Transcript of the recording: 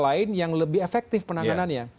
lain yang lebih efektif penanganannya